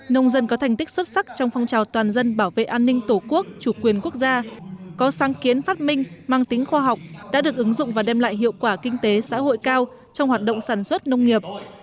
nông dân có thành tích xuất sắc trong phong trào toàn dân bảo vệ an ninh tổ quốc chủ quyền quốc gia có sáng kiến phát minh mang tính khoa học đã được ứng dụng và đem lại hiệu quả kinh tế xã hội cao trong hoạt động sản xuất nông nghiệp